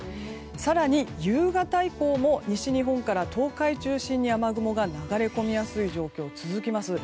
更に夕方以降も西日本から東海中心に雨雲が流れ込みやすい状況が続きます。